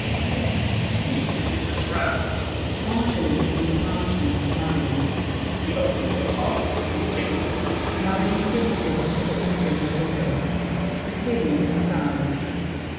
What does this mean? Is this a trap? L'ANGELY (giving parchment to Marion). Here is the pardon. Take it! [Marion kisses it, and puts it in her bosom. THE KING (aside).